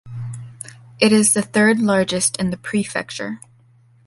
It is the third largest in the prefecture.